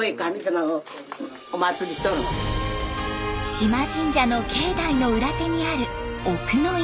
島神社の境内の裏手にある奥の院。